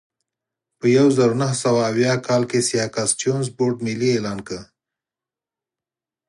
په یوه زرو نهه سوه اویا کال کې سیاکا سټیونز بورډ ملي اعلان کړ.